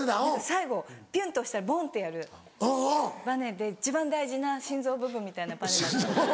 最後ピュンって押したらボンってやるバネで一番大事な心臓部分みたいなバネだったんです。